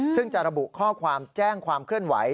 ซึ่งจะระบุข้อความแจ้งความเคลื่อนไหว